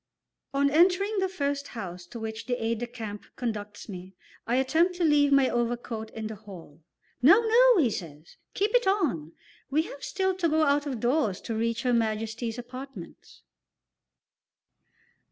On entering the first house to which the aide de camp conducts me, I attempt to leave my overcoat in the hall. "No, no," he says, "keep it on; we have still to go out of doors to reach Her Majesty's apartments."